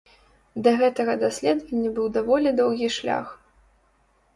Да гэтага даследавання быў даволі доўгі шлях.